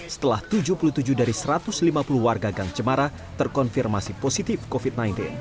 setelah tujuh puluh tujuh dari satu ratus lima puluh warga gang cemara terkonfirmasi positif covid sembilan belas